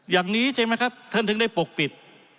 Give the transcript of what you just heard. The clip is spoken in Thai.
อย่างนี้ใช่ไหมครับท่านถึงได้ปกปิด